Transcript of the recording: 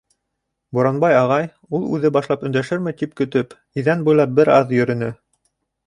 Буранбай ағай, ул үҙе башлап өндәшерме тип көтөп, иҙән буйында бер аҙ йөрөнө.